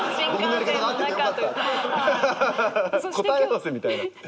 答え合わせみたいな。